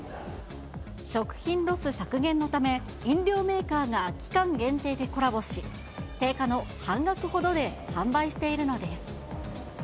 食品ロス削減のため、飲料メーカーが期間限定でコラボし、定価の半額ほどで販売しているのです。